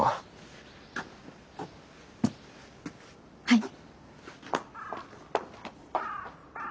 はい。